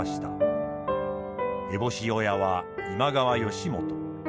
烏帽子親は今川義元。